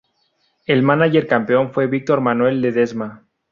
El mánager campeón fue Víctor Manuel Ledezma.